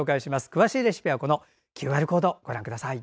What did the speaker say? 詳しいレシピはＱＲコードをご覧ください。